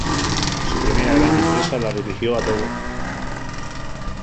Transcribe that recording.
Su primera gran empresa la dirigió a Togo.